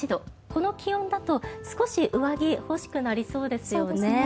この気温だと少し上着が欲しくなりそうですよね。